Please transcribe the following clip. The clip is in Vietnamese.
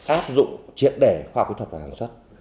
áp dụng triển đẻ khoa học kỹ thuật và sản xuất